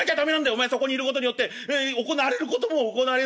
お前がそこにいることによって行われることも行われないんだから。